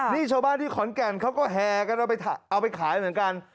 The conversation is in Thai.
นี่ชาวบ้านที่ขอนแก่นเขาก็แห่กันเอาไปขายเหมือนกัน